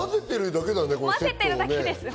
まぜてるだけです。